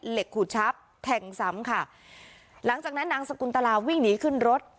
ขูดชับแทงซ้ำค่ะหลังจากนั้นนางสกุลตลาวิ่งหนีขึ้นรถ